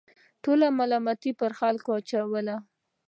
ټوله ملامتي پر حکومت اچوله.